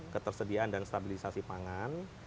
ketersediaan dan stabilisasi pangan